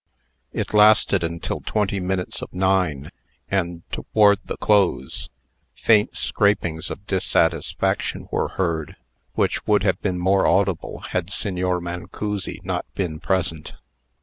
It lasted until twenty minutes of nine; and, toward the close, faint scrapings of dissatisfaction were heard, which would have been more audible had Signor Mancussi not been present.